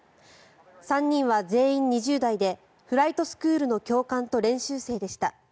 ３人は全員２０代でフライトスクールの教官と練習生でした。